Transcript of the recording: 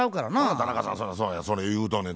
田中さんそらそうやそれ言うとんねん。